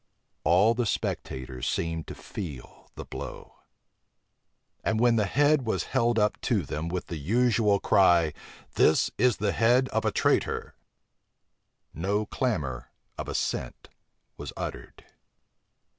All the spectators seemed to feel the blow. And when the head was held up to them with the usual cry, "This is the head of a traitor," no clamor of assent was uttered.